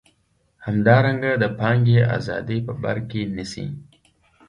همدارنګه د پانګې ازادي په بر کې نیسي.